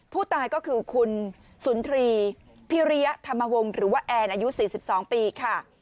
ผู้ตายก็คือคุณสุนทรีพิริยธรรมวงศ์หรือว่าแอนอายุ๔๒ปีค่ะ